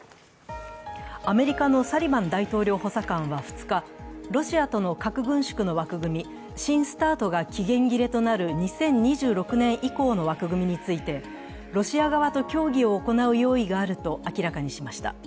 アメリカのサリバン大統領補佐官は２日、ロシアとの核軍縮の枠組み、新ＳＴＡＲＴが期限切れとなる２０２６年以降の枠組みについてロシア側と協議を行う用意があると明らかにしました。